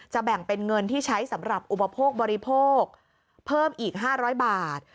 แบ่งเป็นเงินที่ใช้สำหรับอุปโภคบริโภคเพิ่มอีก๕๐๐บาท